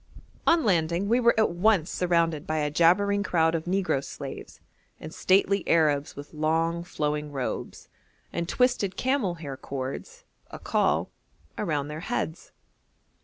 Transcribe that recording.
On landing we were at once surrounded by a jabbering crowd of negro slaves, and stately Arabs with long, flowing robes and twisted camel hair cords (akkal) around their heads.